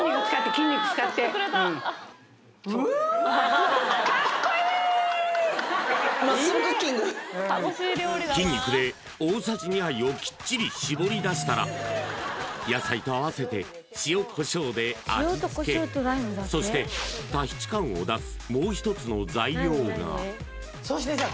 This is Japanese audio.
筋肉使ってうん筋肉で大さじ２杯をきっちりしぼり出したら野菜と合わせて塩コショウで味つけそしてタヒチ感を出すもう一つの材料がそしてさ